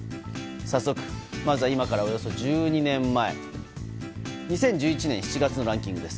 早速、まずは今からおよそ１２年前２０１１年７月のランキングです。